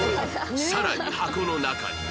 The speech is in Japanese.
さらに箱の中には